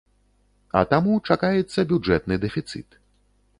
А таму чакаецца бюджэтны дэфіцыт.